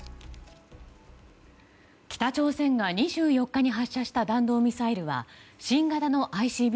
北朝鮮が２４日に発射した弾道ミサイルは新型のＩＣＢＭ